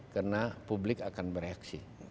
karena publik akan bereaksi